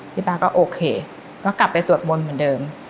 ป้าก็โอเคก็กลับไปสวดมนต์เหมือนเดิม